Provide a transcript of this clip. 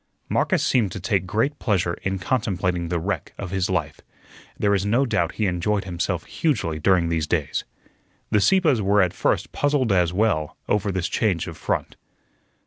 Marcus seemed to take great pleasure in contemplating the wreck of his life. There is no doubt he enjoyed himself hugely during these days. The Sieppes were at first puzzled as well over this change of front.